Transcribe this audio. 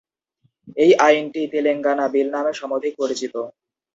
এই আইনটি তেলেঙ্গানা বিল নামে সমধিক পরিচিত।